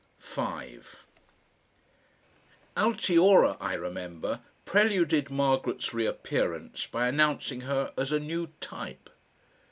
5 Altiora, I remember, preluded Margaret's reappearance by announcing her as a "new type."